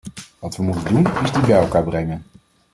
Wat we moeten doen, is die bij elkaar brengen.